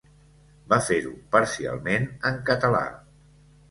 Va fer-ho parcialment en català.